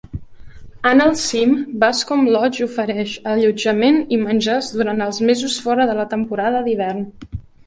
En el cim, Bascom Lodge ofereix allotjament i menjars durant els mesos fora de la temporada d'hivern.